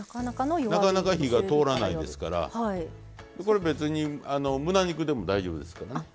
なかなか火が通らないですからこれ別に胸肉でも大丈夫ですからね。